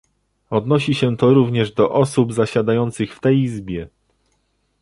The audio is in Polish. Odnosi się to również do osób zasiadających w tej Izbie